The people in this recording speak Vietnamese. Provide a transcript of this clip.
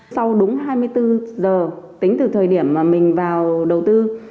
sau đúng hai mươi bốn giờ tính từ thời điểm mà mình vào đầu tư